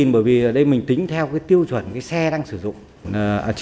bởi vì ở đây mình tính theo cái tiêu chuẩn cái xe đang sử dụng